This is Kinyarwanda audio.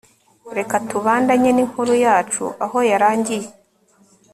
Reka tubandanye ninkuru yacu aho yarangiye